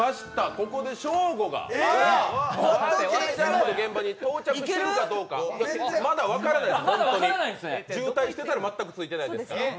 ここでショーゴがバンジーの現場に到着してるかどうかまだ分からないです、渋滞していたら全く着いてないですからね。